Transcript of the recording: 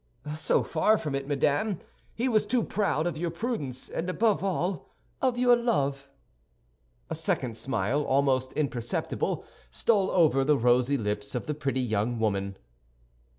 "So far from it, madame, he was too proud of your prudence, and above all, of your love." A second smile, almost imperceptible, stole over the rosy lips of the pretty young woman.